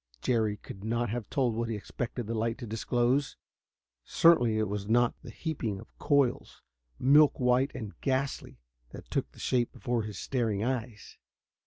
Jerry could not have told what he expected the light to disclose. Certainly it was not the heaping of coils, milk white and ghastly, that took shape before his staring eyes.